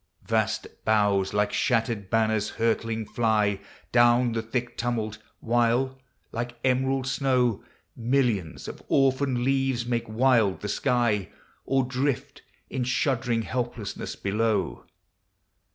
Vast boughs like shattered banners hurtling fly Down the thick tumult : while, like emerald snow. Millions of orphaned leaves make wild the sky, Or drift in shuddering helplessness below.